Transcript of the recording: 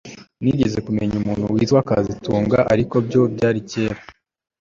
Nigeze kumenya umuntu witwa kazitunga ariko ibyo byari kera cyane